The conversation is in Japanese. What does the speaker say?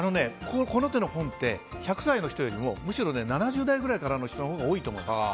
この手の本って１００歳の人よりも、むしろ７０代くらいからの人のほうが多いと思います。